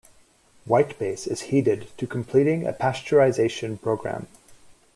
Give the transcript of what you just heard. White base is heated to completing a pasteurization program.